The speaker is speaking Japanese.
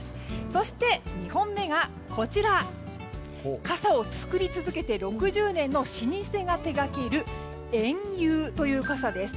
そして２本目が傘を作り続けて６０年の老舗が手掛ける縁結という傘です。